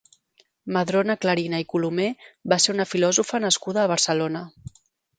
Madrona Clarina i Colomer va ser una filòsofa nascuda a Barcelona.